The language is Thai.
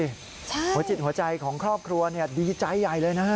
หัวจิตหัวใจของครอบครัวดีใจใหญ่เลยนะฮะ